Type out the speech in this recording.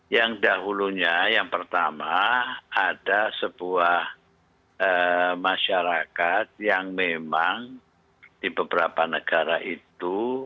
yang dahulunya yang pertama ada sebuah masyarakat yang memang di beberapa negara itu